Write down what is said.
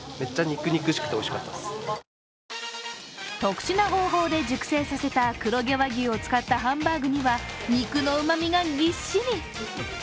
特殊な方法で熟成させた黒毛和牛を使ったハンバーグには肉のうまみがぎっしり。